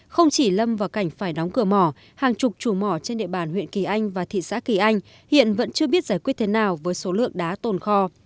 không chỉ lâm vào cảnh phải đóng cửa mỏ hàng chục chủ mỏ trên địa bàn huyện kỳ anh và thị xã kỳ anh hiện vẫn chưa biết giải quyết thế nào với số lượng đá tồn kho